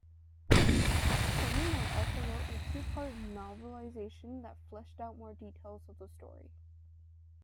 Tomino also wrote a two-part novelization that fleshed out more details of the story.